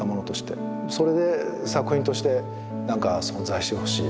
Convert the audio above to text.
それで作品としてなんか存在してほしい。